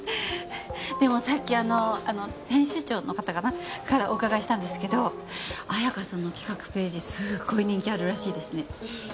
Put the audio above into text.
でもさっき編集長の方かな？からお伺いしたんですけど彩華さんの企画ページすごい人気あるらしいですね。